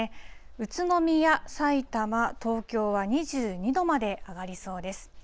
宇都宮、さいたま、東京は２２度まで上がりそうです。